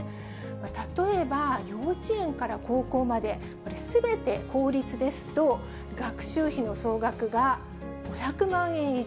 例えば、幼稚園から高校まで、これ、すべて公立ですと、学習費の総額が５００万円以上。